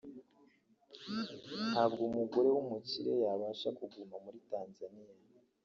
ntabwo umugore w’umukire yabasha kuguma muri Tanzaniya